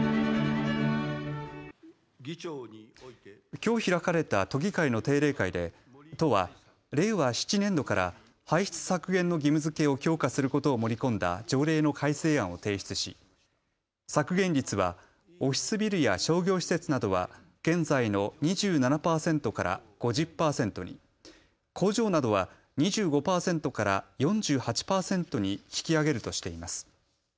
きょう開かれた都議会の定例会で都は令和７年度から排出削減の義務づけを強化することを盛り込んだ条例の改正案を提出し削減率はオフィスビルや商業施設などは現在の２７％から５０％に、工場などは２５％から４８％に引き上げるとしています。